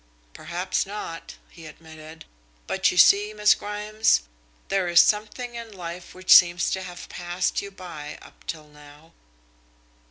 "Perhaps not," he admitted, "but you see, Miss Grimes, there is something in life which seems to have passed you by up till now."